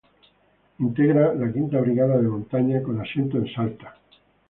Integra la V Brigada de Montaña, con asiento en Salta.